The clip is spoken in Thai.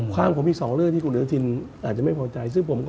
ความผมมีสองเรื่องที่คุณอนุทินอาจจะไม่พอใจ